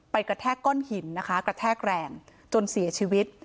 กระแทกก้อนหินนะคะกระแทกแรงจนเสียชีวิต